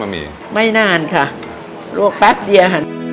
ไม่นานค่ะลวกแป๊บเดียวค่ะ